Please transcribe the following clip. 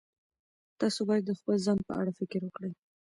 تاسو باید د خپل ځان په اړه فکر وکړئ.